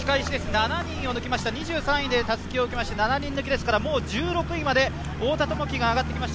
７人を抜きました、２３位でたすきを受けまして７人抜きですからもう１６位まで太田智樹が上ってきました。